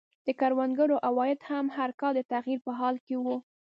د کروندګرو عواید هم هر کال د تغییر په حال کې وو.